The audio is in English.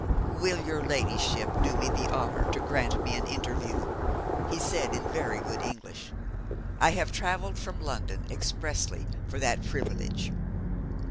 'Will your ladyship do me the honour to grant me an interview?' he said in very good English. 'I have travelled from London expressly for that privilege.'